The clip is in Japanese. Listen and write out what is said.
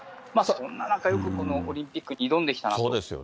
そんな中、よくこのオリンピックに挑んできたなと。